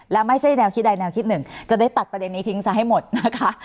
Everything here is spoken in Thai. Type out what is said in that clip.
แล้าไม่ใช่แนวคิดหนึ่งจะได้ตัดประเด็นนี้ทิ้งทรายให้หมดนะคะ